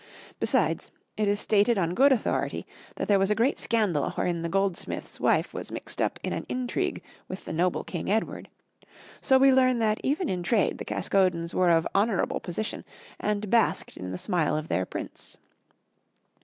Besides, it is stated on good authority that there was a great scandal wherein the goldsmith's wife was mixed up in an intrigue with the noble King Edward; so we learn that even in trade the Caskodens were of honorable position and basked in the smile of their prince.